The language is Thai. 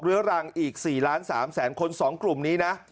รังอีก๔ล้าน๓แสนคน๒กลุ่มนี้นะ